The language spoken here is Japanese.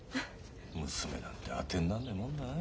娘なんて当てになんねえもんだね。